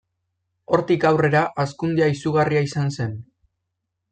Hortik aurrera, hazkundea izugarria izan zen.